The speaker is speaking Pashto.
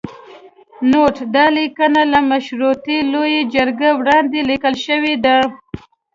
نوټ: دا لیکنه له مشورتي لویې جرګې وړاندې لیکل شوې ده.